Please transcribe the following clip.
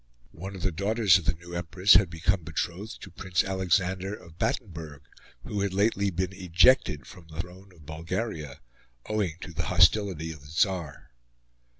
One of the daughters of the new Empress had become betrothed to Prince Alexander of Battenberg, who had lately been ejected from the throne of Bulgaria owing to the hostility of the Tsar.